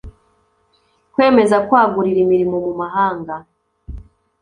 Kwemeza kwagurira imirimo mu mahanga